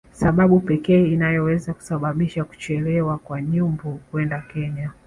sababu pekee inayoweza kusababisha kuchelewa kwa Nyumbu kwenda Kenya